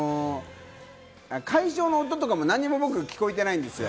会場の音とかも、何も僕、聴こえてないんですよ。